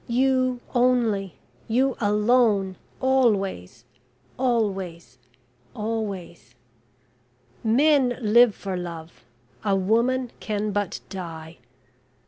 you only you alone! always always always. Men live for love a woman can but die.